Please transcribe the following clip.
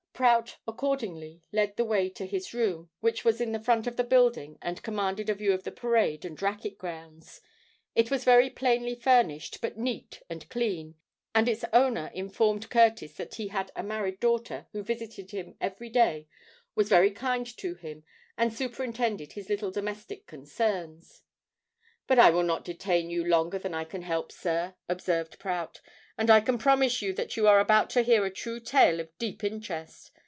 Prout accordingly led the way to his room, which was in the front of the building and commanded a view of the parade and racquet grounds. It was very plainly furnished, but neat and clean; and its owner informed Curtis that he had a married daughter who visited him every day, was very kind to him, and superintended his little domestic concerns. "But I will not detain you longer than I can help, sir," observed Prout; "and I can promise you that you are about to hear a true tale of deep interest.